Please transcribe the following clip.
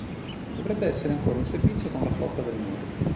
Dovrebbe essere ancora in servizio con la Flotta del Nord.